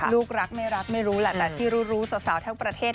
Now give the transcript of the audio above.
ลูกรักไม่รักไม่รู้แหละแต่ที่รู้รู้สาวทั้งประเทศ